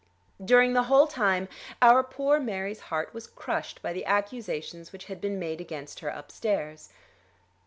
During the whole time our poor Mary's heart was crushed by the accusations which had been made against her upstairs.